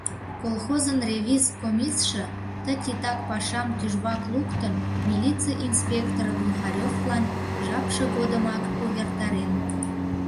Колхозын ревиз комисше ты титак пашам тӱжвак луктын, милице инспектор Глухаревлан жапше годымак увертарен.